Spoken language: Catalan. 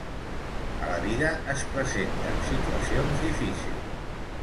A la vida es presenten situacions difícils.